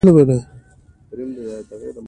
ناول د انسان د روح ابدي پوښتنې منعکسوي.